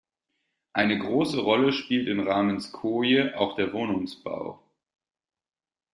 Eine große Rolle spielt in Ramenskoje auch der Wohnungsbau.